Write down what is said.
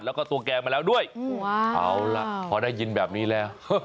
แล้วก็ตัวแกงมาแล้วด้วยเอาล่ะพอได้ยินแบบนี้แล้ว